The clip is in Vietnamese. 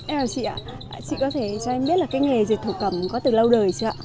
em chị ạ chị có thể cho em biết là cái nghề dệt thổ cẩm có từ lâu đời chưa ạ